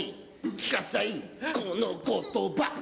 聞かせたいこの言葉